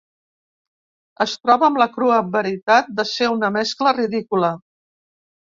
Es troba amb la crua veritat de ser una mescla ridícula.